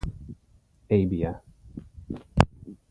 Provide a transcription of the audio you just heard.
Abia.